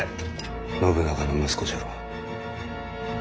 信長の息子じゃろう。